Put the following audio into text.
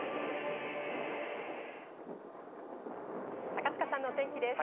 高塚さんのお天気です。